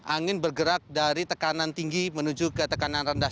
angin bergerak dari tekanan tinggi menuju ke tekanan rendah